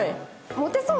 モテそう？